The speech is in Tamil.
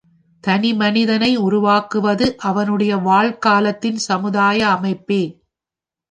தனிமனிதனை உருவாக்குவது அவனுடைய வாழ்காலத்தின் சமுதாய அமைப்பே.